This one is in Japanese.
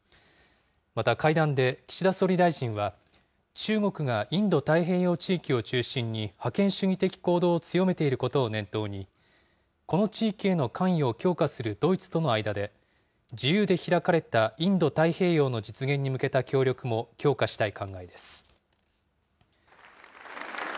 また会談で岸田総理大臣は、中国がインド太平洋地域を中心に覇権主義的行動を強めていることを念頭に、この地域への関与を強化するドイツとの間で、自由で開かれたインド太平洋の実現に向けた協力も強化したい考えです。